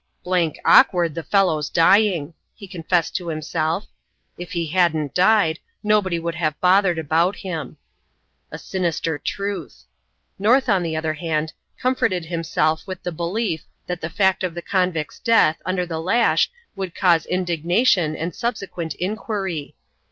"Blank awkward the fellow's dying," he confessed to himself. "If he hadn't died, nobody would have bothered about him." A sinister truth. North, on the other hand, comforted himself with the belief that the fact of the convict's death under the lash would cause indignation and subsequent inquiry.